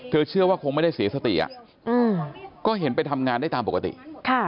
เชื่อว่าคงไม่ได้เสียสติอ่ะอืมก็เห็นไปทำงานได้ตามปกติค่ะ